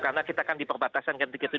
karena kita kan di perbatasan